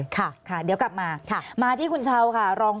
ค่ะค่ะเดี๋ยวกลับมาค่ะค่ะ